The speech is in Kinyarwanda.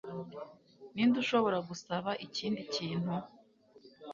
Ninde ushobora gusaba ikindi kintu